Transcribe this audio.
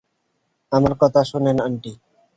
আমার কথা শোনেন আন্টি?